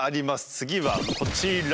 次はこちら。